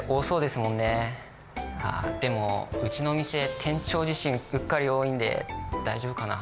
でもうちのお店店長自身うっかり多いんで大丈夫かな？